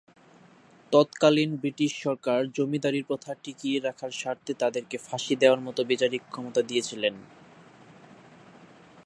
তৎকালীন ব্রিটিশ সরকার জমিদারি প্রথা টিকিয়ে রাখার স্বার্থে তাদেরকে ফাঁসি দেয়ার মতো বিচারিক ক্ষমতা দিয়েছিলেন।